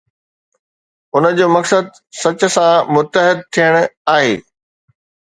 ان جو مقصد سچ سان متحد ٿيڻ آهي.